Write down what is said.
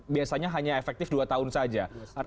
biasanya hanya efektif dua tahun saja